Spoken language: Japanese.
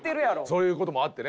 そういう事もあってね